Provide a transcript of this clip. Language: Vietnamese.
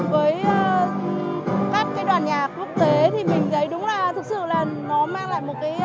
với các cái đoàn nhạc quốc tế thì mình thấy đúng là thực sự là nó mang lại một cái